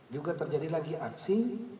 juga terjadi lagi aksi